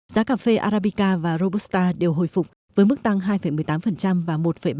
giá cà phê arabica và robusta đều hồi phục với mức tăng hai một mươi tám và một ba